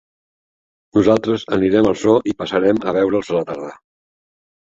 Nosaltres anirem al zoo i passarem a veure'ls a la tarda.